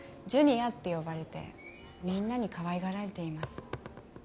ジュニアって呼ばれてみんなにかわいがられています。